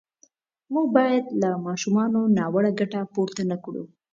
موږ باید له ماشومانو ناوړه ګټه پورته نه کړو.